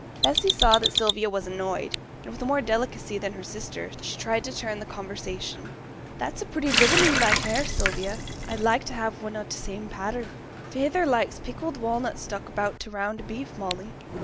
Bessy saw that Sylvia was annoyed, and, with more delicacy than her sister, she tried to turn the conversation. 'That's a pretty ribbon in thy hair, Sylvia; I'd like to have one o' t' same pattern. Feyther likes pickled walnuts stuck about t' round o' beef, Molly.'